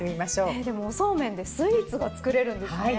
えっでもおそうめんでスイーツが作れるんですね。